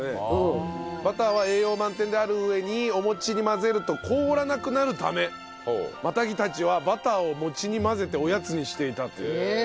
バターは栄養満点である上にお餅に混ぜると凍らなくなるためマタギたちはバターを餅に混ぜておやつにしていたという。